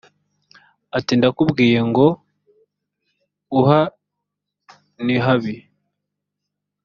ati ndakubwiye ngo uha nihabi